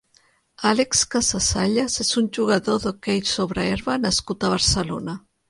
Álex Casasayas és un jugador d'hoquei sobre herba nascut a Barcelona.